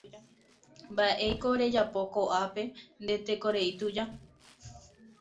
Mba'éiko rejapo ko'ápe nde tekorei tuja.